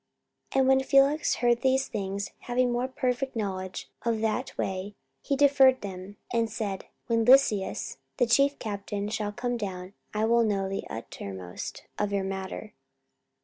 44:024:022 And when Felix heard these things, having more perfect knowledge of that way, he deferred them, and said, When Lysias the chief captain shall come down, I will know the uttermost of your matter.